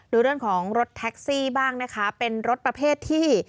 ดูเรื่องของรถแท็กซี่บ้างนะคะเป็นรถประเภทที่